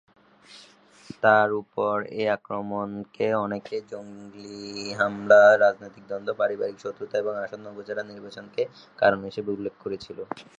তার উপর এ আক্রমণকে অনেকে জঙ্গি হামলা, রাজনৈতিক দ্বন্দ্ব, পারিবারিক শত্রুতা এবং আসন্ন উপজেলা নির্বাচনকে কারণ হিসাবে উল্লেখ করেছিল।